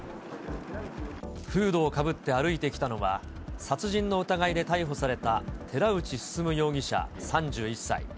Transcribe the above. フードをかぶって歩いてきたのは、殺人の疑いで逮捕された寺内進容疑者３１歳。